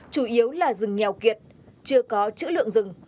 chủ yếu là rừng nghèo kiệt chưa có chữ lượng rừng